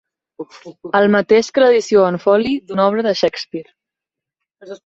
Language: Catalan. El mateix que en l'edició en foli d'una obra de Shakespeare.